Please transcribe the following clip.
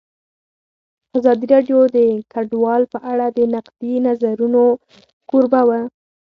ازادي راډیو د کډوال په اړه د نقدي نظرونو کوربه وه.